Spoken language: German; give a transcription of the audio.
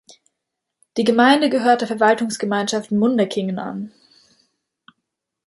Die Gemeinde gehört der "Verwaltungsgemeinschaft Munderkingen" an.